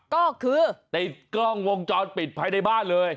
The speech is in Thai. ก็คือเจอกล้องวงจอดปิดหลายในบ้านเลย